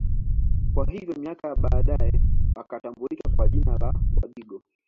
Hivyo miaka ya baadae kukatambulika kwa jina la Wadigo